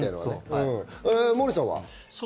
モーリーさんは？